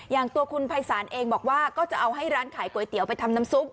อย่างตัวคุณภัยศาลเองบอกว่าก็จะเอาให้ร้านขายก๋วยเตี๋ยวไปทำน้ำซุป